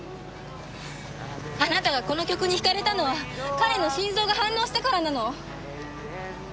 あなたがこの曲に引かれたのは彼の心臓が反応したからなの。